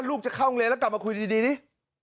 ลูกจะเข้าโรงเรียนแล้วกลับมาคุยดีนี่